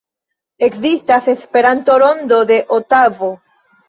Ekzistas Esperanto-Rondo de Otavo.